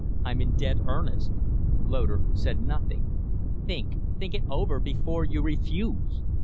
I'm in dead earnest." Loder said nothing. "Think think it over before you refuse."